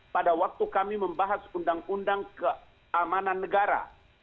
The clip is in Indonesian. pada waktu kami membahas undang undang keamanan negara